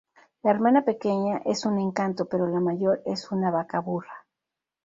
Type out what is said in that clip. La hermana pequeña es un encanto pero la mayor es una vacaburra